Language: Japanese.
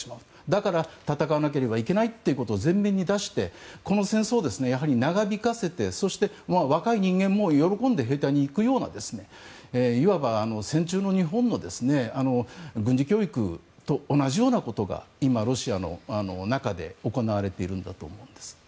だから、戦わなければいけないと前面に出してこの戦争を長引かせてそして、若い人間も喜んで兵隊に行くようないわば戦時中の日本の軍事教育と同じようなことが今、ロシアの中で行われているんだと思います。